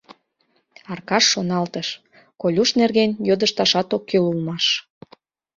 Аркаш шоналтыш: «Колюш нерген йодышташат ок кӱл улмаш.